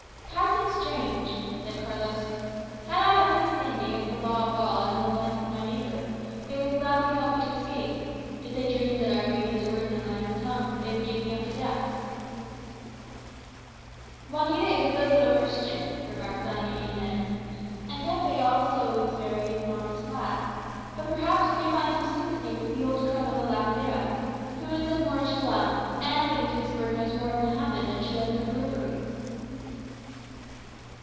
"Passing strange," said Carlos. "Had I only sinned against the law of God and the life of my neighbour, they would gladly help me to escape; did they dream that I read his words in my own tongue, they would give me up to death." "Juanita is a good little Christian," remarked Doña Inez; "and Pepe also is a very honest lad. But perhaps you may find some sympathy with the old crone of a lavandera, who is of Moorish blood, and, it is whispered, knows more of Mohammed than she does of her Breviary."